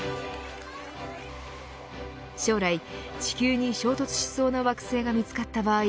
将来、地球に衝突しそうな惑星が見つかった場合